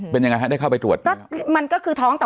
เป็นยังไงห้ได้เข้าไปตรวจเนี่ยมันก็คือท้อง